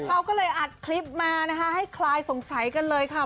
เขาก็เลยอัดคลิปมานะคะให้คลายสงสัยกันเลยค่ะ